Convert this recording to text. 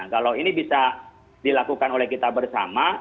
kalau ini bisa dilakukan oleh kita bersama